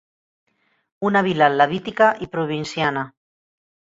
Una vila levítica i provinciana.